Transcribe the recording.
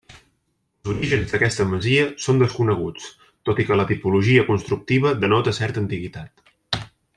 Els orígens d'aquesta masia són desconeguts, tot i que la tipologia constructiva denota certa antiguitat.